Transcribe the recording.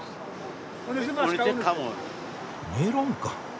メロンか。